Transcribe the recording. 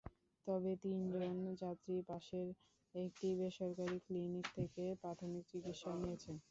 তবে তিনজন যাত্রী পাশের একটি বেসরকারি ক্লিনিক থেকে প্রাথমিক চিকিৎসা নিয়েছেন।